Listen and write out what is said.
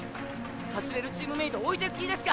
走れるチームメート置いてく気ですか！